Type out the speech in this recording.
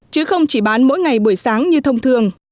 chứ không chỉ bán mỗi ngày buổi sáng như thông thường